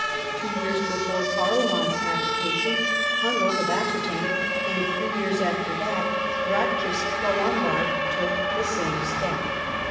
Two years be fore Carloman's abdication, Ilunald of Aquitaine, and three years after it, Ratchis the Lombard took the same step.